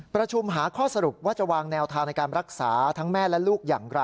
ประชุมหาข้อสรุปว่าจะวางแนวทางในการรักษาทั้งแม่และลูกอย่างไร